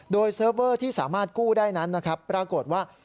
โดยเซิร์ฟเวอร์ที่สามารถกู้ได้นั้นนะครับปรากฏว่า